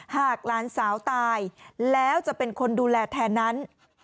หากหลานสาวตายแล้วจะเป็นคนดูแลแทนนั้น